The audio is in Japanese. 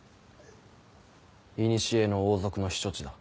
いにしえの王族の避暑地だ。